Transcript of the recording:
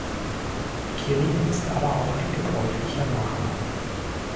Quirin ist aber auch ein gebräuchlicher Nachname.